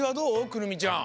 くるみちゃん。